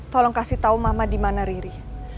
tolong kasih tahu mama di mana riri